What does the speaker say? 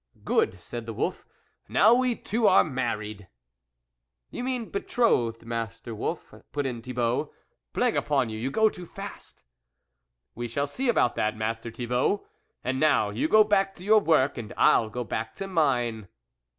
" Good !" said the wolf, " now we two are married." "You mean betrothed, Master Wolf," put in Thibault. " Plague upon you ! you go too fast." " We shall see about that, Master Thi bault. And now you go back to your work, and I'll go back to mine."